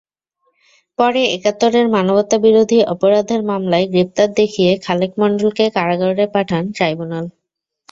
পরে একাত্তরের মানবতাবিরোধী অপরাধের মামলায় গ্রেপ্তার দেখিয়ে খালেক মণ্ডলকে কারাগারে পাঠান ট্রাইব্যুনাল।